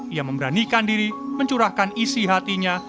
ia memberanikan diri mencurahkan isi hatinya